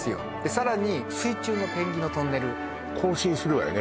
さらに水中のペンギンのトンネル行進するわよね